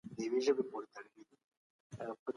مؤمنان چې ايمان لري، باید استقامت وکړي.